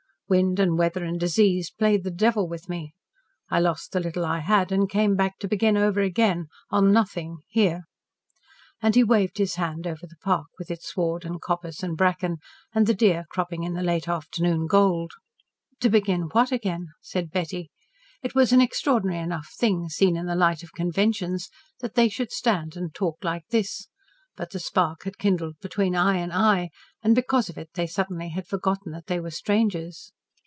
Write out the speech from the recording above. Wind and weather and disease played the devil with me. I lost the little I had and came back to begin over again on nothing here!" And he waved his hand over the park with its sward and coppice and bracken and the deer cropping in the late afternoon gold. "To begin what again?" said Betty. It was an extraordinary enough thing, seen in the light of conventions, that they should stand and talk like this. But the spark had kindled between eye and eye, and because of it they suddenly had forgotten that they were strangers.